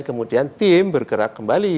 kemudian tim bergerak kembali